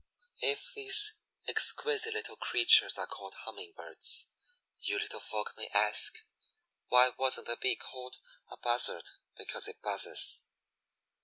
If these exquisite little creatures are called Humming birds, you little folk may ask, why wasn't the Bee called a Buzzard because it buzzes?